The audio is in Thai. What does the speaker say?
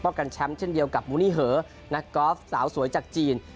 กันแชมป์เช่นเดียวกับมูนี่เหอนักกอล์ฟสาวสวยจากจีน